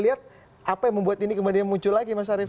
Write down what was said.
lihat apa yang membuat ini kemudian muncul lagi mas arief